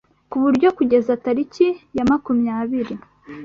ku buryo kugeza tariki ya makumyabiri